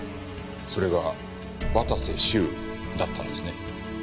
それが綿瀬修だったんですね？